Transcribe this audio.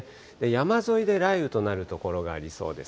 山沿いで雷雨となる所がありそうです。